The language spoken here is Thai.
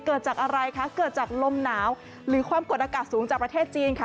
เกิดจากอะไรคะเกิดจากลมหนาวหรือความกดอากาศสูงจากประเทศจีนค่ะ